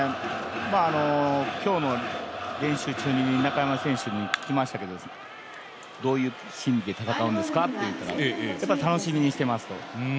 今日の練習中に中山選手に聞きましたけどどういう真意で戦うんですかと聞いたらやっぱり楽しみにしていますと。